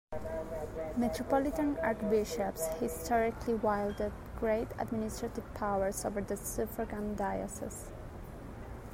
Metropolitan archbishops historically wielded great administrative powers over the suffragan dioceses.